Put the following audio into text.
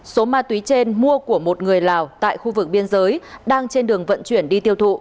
số ma túy trên mua của một người lào tại khu vực biên giới đang trên đường vận chuyển đi tiêu thụ